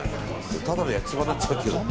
ただの焼きそばになっちゃうけど。